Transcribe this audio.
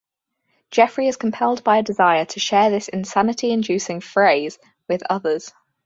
Jeffrey is compelled by a desire to share this insanity-inducing phrase with others.